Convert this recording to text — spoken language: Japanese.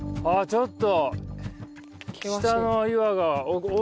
ちょっと。